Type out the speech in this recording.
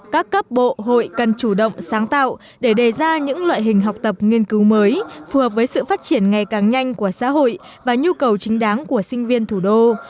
các cấp bộ hội cần chủ động sáng tạo để đề ra những loại hình học tập nghiên cứu mới phù hợp với sự phát triển ngày càng nhanh của xã hội và nhu cầu chính đáng của sinh viên thủ đô